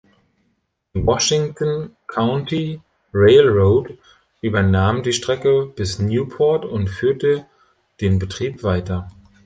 Die Washington County Railroad übernahm die Strecke bis Newport und führte den Betrieb weiter.